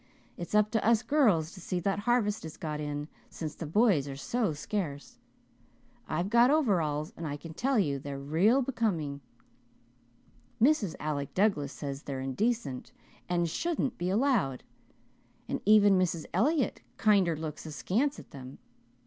It's up to us girls to see that the harvest is got in, since the boys are so scarce. I've got overalls and I can tell you they're real becoming. Mrs. Alec Douglas says they're indecent and shouldn't be allowed, and even Mrs. Elliott kinder looks askance at them.